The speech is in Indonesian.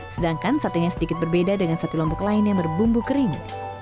sedangkan satenya sedikit berbeda dengan sate lombok lain yang berbumbu kering